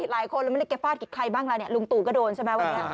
หลายคนเรียกว่าเกฟฟาดใกล้ใครบ้างลุงตูก็โดนใช่แม่วันนี้